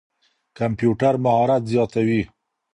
کمپيوټر مهارت زياتوي.